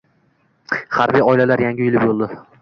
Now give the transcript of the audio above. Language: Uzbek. Harbiy oilalar yangi uyli bo‘ldi